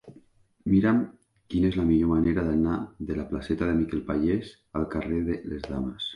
Mira'm quina és la millor manera d'anar de la placeta de Miquel Pallés al carrer de les Dames.